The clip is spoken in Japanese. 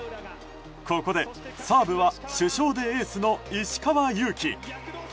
ここでサーブは主将でエースの石川祐希。